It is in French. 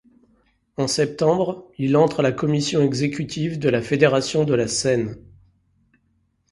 En septembre, il entre à la commission exécutive de la Fédération de la Seine.